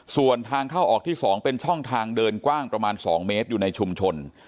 ส่วนทางเข้าออกที่๒เป็นช่องทางเดินกว้างประมาณ๒เมตรอยู่ในชุมชน